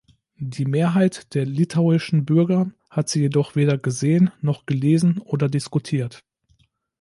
Die Mehrheit der litauischen Bürger hat sie jedoch weder gesehen noch gelesen oder diskutiert.